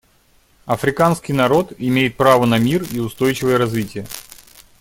Африканский народ имеет право на мир и устойчивое развитие.